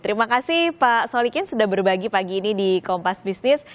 terima kasih pak solikin sudah berbagi pagi ini di kompas bisnis